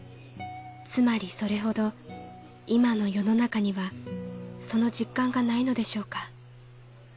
［つまりそれほど今の世の中にはその実感がないのでしょうか？］